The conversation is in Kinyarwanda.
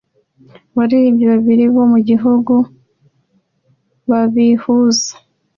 abaririmbyi babiri bo mu gihugu babihuza